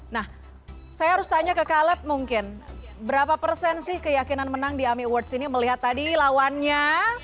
nah saya harus tanya ke caleb mungkin berapa persen sih keyakinan menang di ami awards ini melihat tadi lawannya